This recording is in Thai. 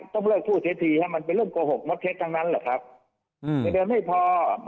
ต้องเลิกพูดเท็จทีมันเป็นเรื่องโกหกมดเท็จทั้งนั้นแหละครับ